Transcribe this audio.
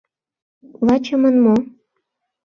— Лачымын мо?